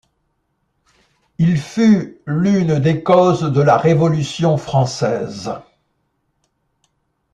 Il fut l'une des causes de la Révolution française.